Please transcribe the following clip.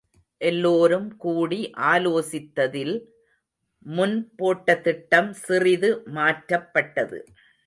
எல்லோரும் கூடிஆலோசித்ததில் முன்போட்டதிட்டம் சிறிது மாற்றப்பட்டது.